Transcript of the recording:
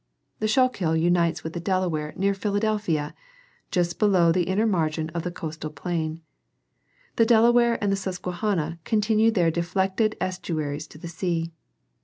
The Schuylkill unites with the Delaware near Philadelphia, just below the inner margin of the coastal plain ; the Delaware and the Susquehanna con tinue in their deflected estuaries to the sea.